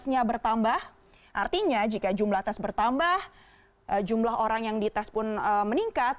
tesnya bertambah artinya jika jumlah tes bertambah jumlah orang yang dites pun meningkat